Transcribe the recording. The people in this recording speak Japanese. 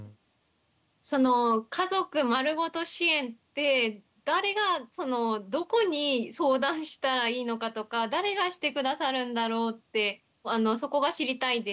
その「家族まるごと支援」って誰がそのどこに相談したらいいのかとか誰がして下さるんだろうってそこが知りたいです。